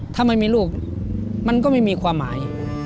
ถ้าไม่มีลูกมันก็ไม่มีความหมาย